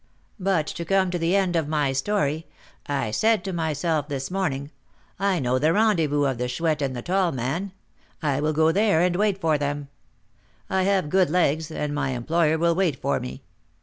But to come to the end of my story. I said to myself this morning, I know the rendezvous of the Chouette and the tall man; I will go there and wait for them; I have good legs, and my employer will wait for me.